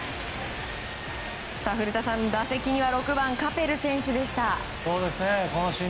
古田さん、打席には６番、カペル選手でした。